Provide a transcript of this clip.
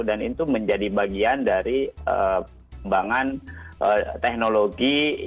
dan itu menjadi bagian dari pengembangan teknologi